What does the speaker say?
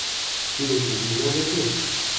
Тидӹ кугижӓ гыце?